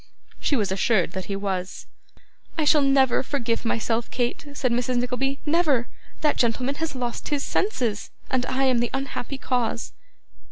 She was assured that he was. 'I shall never forgive myself, Kate,' said Mrs. Nickleby. 'Never! That gentleman has lost his senses, and I am the unhappy cause.